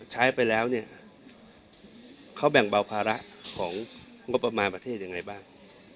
ใช้ไปแล้วเนี่ยเขาแบ่งเบาภาระของงบประมาณประเทศยังไงบ้าง